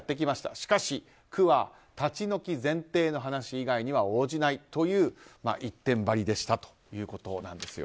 しかし、区は立ち退き前提の話以外には応じないという一点張りでしたということです。